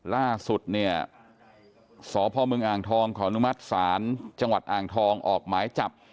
ล่าสุดเนี่ยสพมอ่างทองขออนุมัติศาลจังหวัดอ่างทองออกหมายจับ